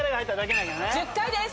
１０回です。